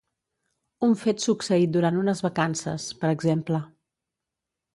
Un fet succeït durant unes vacances, per exemple.